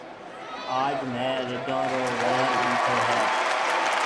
آج ميه رڍون رو ولر ڏيٺو هيَ۔